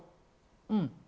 うん。